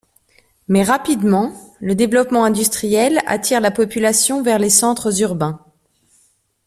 Mais rapidement, le développement industriel attire la population vers les centres urbains.